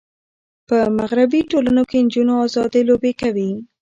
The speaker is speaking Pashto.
په مغربي ټولنو کې نجونې آزادې لوبې کوي.